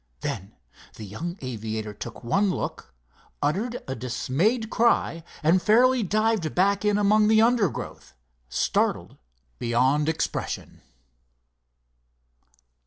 Then the young aviator took one look, uttered a dismayed cry, and fairly dived back in among the undergrowth, startled beyond expression.